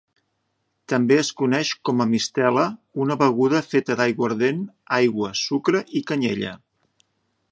També es coneix com a mistela una beguda feta d'aiguardent, aigua, sucre i canyella.